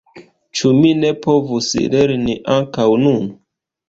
Ĉu mi ne povus lerni ankoraŭ nun?